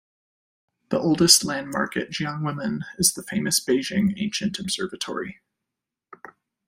The oldest landmark at Jianguomen is the famous Beijing Ancient Observatory.